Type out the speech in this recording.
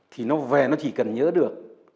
thì nó về nó chỉ cần nhớ được